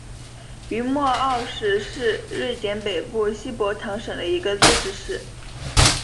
于默奥市是瑞典北部西博滕省的一个自治市。